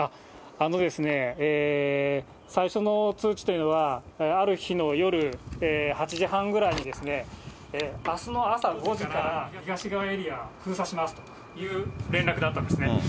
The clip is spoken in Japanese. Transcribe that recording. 最初の通知というのは、ある日の夜、８時半ぐらいに、あすの朝５時から東側エリア封鎖しますという連絡だったんですね。